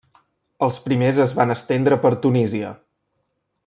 Els primers es van estendre per Tunísia.